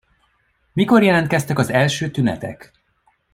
Mikor jelentkeztek az első tünetek?